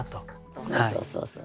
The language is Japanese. そうそうそうそう。